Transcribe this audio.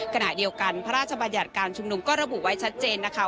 ขณะเดียวกันพระราชบัญญัติการชุมนุมก็ระบุไว้ชัดเจนนะคะ